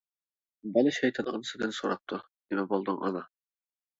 بالا شەيتان ئانىسىدىن سوراپتۇ:-نېمە بولدۇڭ، ئانا.